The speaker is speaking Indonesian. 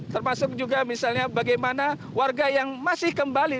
termasuk juga misalnya bagaimana warga yang masih kembali